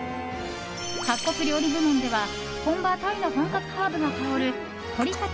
各国料理部門では本場タイの本格ハーブが香る鶏かた